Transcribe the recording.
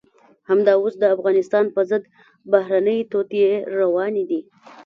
همدا اوس د افغانستان په ضد بهرنۍ توطئې روانې دي.